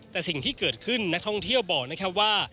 แต่สิ่งที่เกิดขึ้นนักท่องเที่ยวบอกนะครับว่า